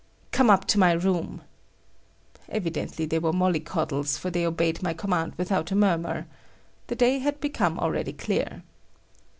"Come up to my room." Evidently they were mollycoddles, for they obeyed my command without a murmur. The day had become already clear.